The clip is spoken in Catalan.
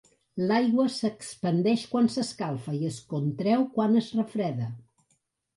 L'aigua s'expandeix quan s'escalfa i es contreu quan es refreda.